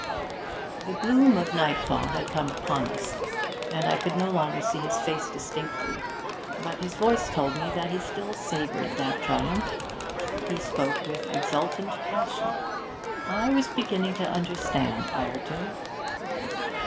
The gloom of nightfall had come upon us, and I could no longer see his face distinctly, but his voice told me that he still savoured that triumph. He spoke with exultant passion. I was beginning to understand Ireton.